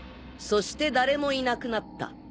『そして誰もいなくなった』